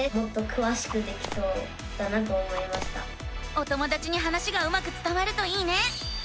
お友だちに話がうまくつたわるといいね！